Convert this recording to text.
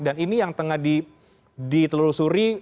dan ini yang tengah ditelusuri